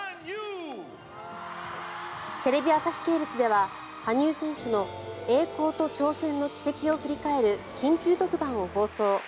テレビ朝日系列では羽生選手の栄光と挑戦の軌跡を振り返る緊急特番を放送。